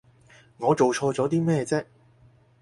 我做錯咗啲咩啫？